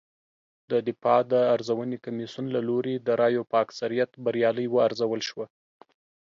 د دفاع د ارزونې کمېسیون له لوري د رایو په اکثریت بریالۍ وارزول شوه